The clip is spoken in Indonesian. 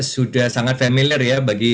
sudah sangat familiar ya bagi